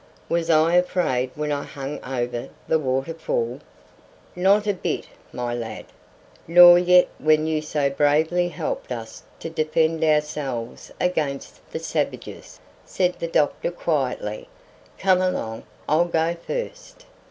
Was I afraid when I hung over the waterfall?" "Not a bit, my lad; nor yet when you so bravely helped us to defend ourselves against the savages," said the doctor quietly. "Come along. I'll go first."